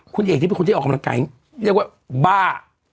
คุณเอกที่เป็นคนที่ออกกำลังกายเรียกว่าบ้า